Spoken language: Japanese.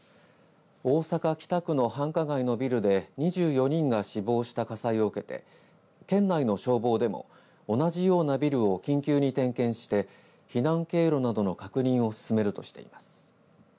大阪、北区の繁華街のビルで２４人が死亡した火災を受けて県内の消防でも同じようなビルを緊急に点検して避難経路などの確認を進めるとしています。